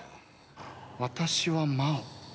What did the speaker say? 私は真央。